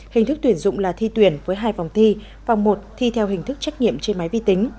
hình thức tuyển dụng là thi tuyển với hai vòng thi vòng một thi theo hình thức trách nhiệm trên máy vi tính